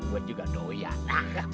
gue juga doyan